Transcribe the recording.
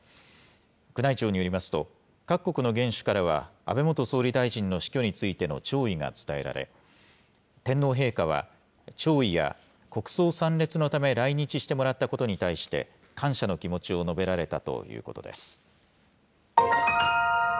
宮内庁によりますと、各国の元首からは安倍元総理大臣の死去についての弔意が伝えられ、天皇陛下は弔意や国葬参列のため来日してもらったことに対して、感謝の気持ちを述べられたということです。